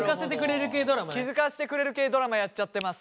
気付かせてくれる系ドラマやっちゃってます。